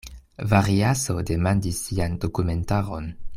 Variaso demandis sian dokumentaron.